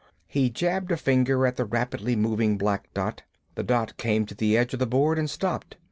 He jabbed a finger at the rapidly moving black dot. The dot came to the edge of the board and stopped.